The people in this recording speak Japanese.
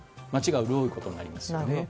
街が潤うことになります。